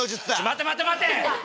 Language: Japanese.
待て待て待て！